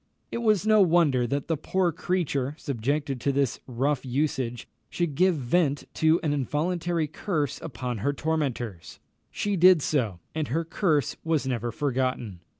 It was no wonder that the poor creature, subjected to this rough usage, should give vent to an involuntary curse upon her tormentors. She did so, and her curse was never forgotten.